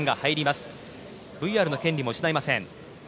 ＶＲの権利も失いません。